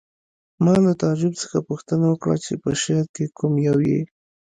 ما له تعجب څخه پوښتنه وکړه چې په شعر کې کوم یو یې